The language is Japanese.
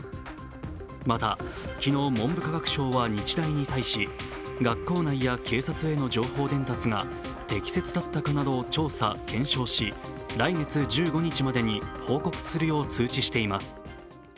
また、昨日、文部科学省は日大に対し学校内や警察への情報伝達が適切だったかなどを調査・検証し来月１５日までに報告するよう通知しています。